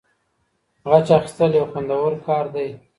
غچ اخیستل یو خوندور کار دی.